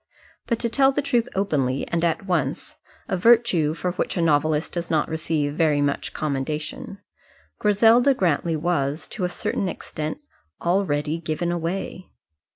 But to tell the truth openly and at once a virtue for which a novelist does not receive very much commendation Griselda Grantly was, to a certain extent, already given away.